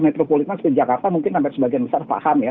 metropolit masjid jakarta mungkin sampai sebagian besar paham ya